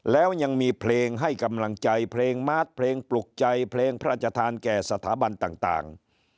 แล้วยังมีเพลงให้กำลังใจเพลงมาร์ทเพลงปลุกใจเพลงพระราชทานแก่สถาบันต่าง